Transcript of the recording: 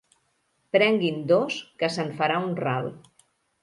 Prengui’n dos, que se’n farà un ral.